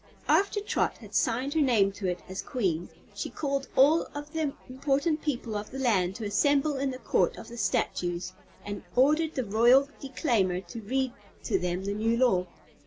After Trot had signed her name to it as Queen she called all of the important people of the land to assemble in the Court of the Statues and ordered the Royal Declaimer to read to them the new law.